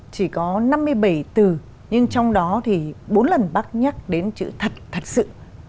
chỉ có năm mươi bảy từ nhưng trong đó thì bốn lần bác nhắc đến chữ thật thật sự